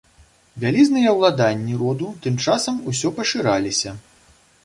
Вялізныя ўладанні роду тым часам усё пашыраліся.